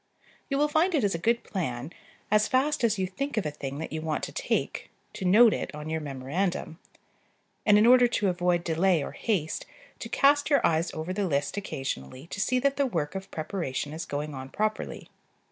You will find it is a good plan, as fast as you think of a thing that you want to take, to note it on your memorandum; and, in order to avoid delay or haste, to cast your eyes over the list occasionally to see that the work of preparation is going on properly.